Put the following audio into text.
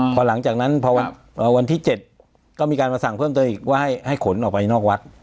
พอหลังจากนั้นพอวันที่๗ก็มีการมาสั่งเพิ่มเติมอีกว่าให้ขนออกไปนอกวัด